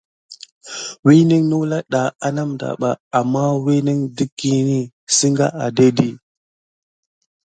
Winən noula ɗa anŋɓa amma wiyin də kini. Sənga adedi.